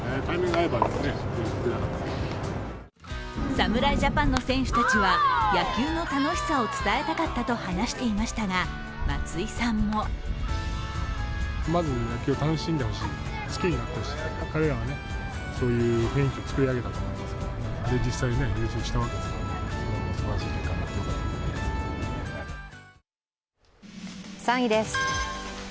侍ジャパンの選手たちは野球の楽しさを伝えたかったと話していましたが、松井さんも３位です。